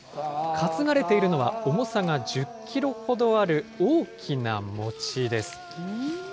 担がれているのは、重さが１０キロほどある大きな餅です。